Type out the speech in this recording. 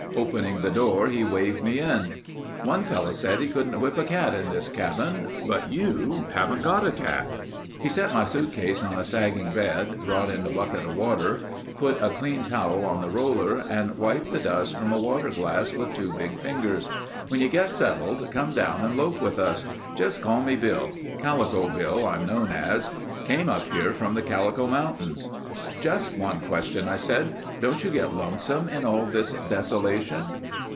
Opening the door he waved me in. "One fellow said he couldn't whip a cat in this cabin, but you haven't got a cat." He set my suitcase on a sagging bed, brought in a bucket of water, put a clean towel on the roller and wiped the dust from a water glass with two big fingers. "When you get settled come down and loaf with us. Just call me Bill. Calico Bill, I'm known as. Came up here from the Calico Mountains." "Just one question," I said. "Don't you get lonesome in all this desolation?"